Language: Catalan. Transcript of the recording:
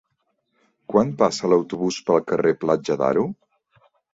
Quan passa l'autobús pel carrer Platja d'Aro?